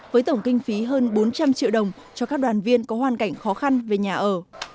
với tổng kinh phí hơn bốn trăm linh triệu đồng cho các đoàn viên có hoàn cảnh khó khăn về nhà ở